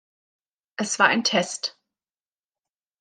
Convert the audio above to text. Es war ein Test.